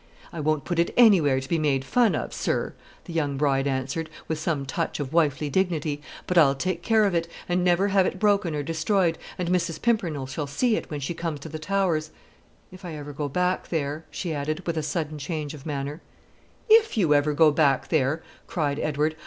"I won't put it anywhere to be made fun of, sir," the young bride answered, with some touch of wifely dignity; "but I'll take care of it, and never have it broken or destroyed; and Mrs. Pimpernel shall see it, when she comes to the Towers, if I ever go back there," she added, with a sudden change of manner. "If you ever go back there!" cried Edward.